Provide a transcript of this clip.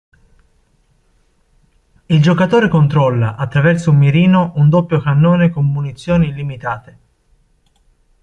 Il giocatore controlla, attraverso un mirino, un doppio cannone con munizioni illimitate.